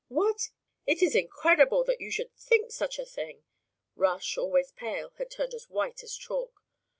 "What! It is incredible that you should think of such a thing." Rush, always pale, had turned as white as chalk.